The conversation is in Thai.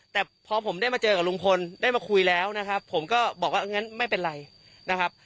แต่พอผมได้มาเจอกับลุงพลได้มาคุยแล้วนะครับผมก็บอกว่างั้นไม่เป็นไรนะครับ